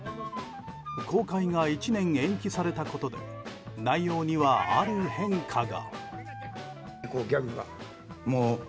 公開が１年延期されたことで内容には、ある変化が。